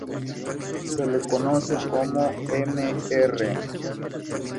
Se le conoce como "Mr.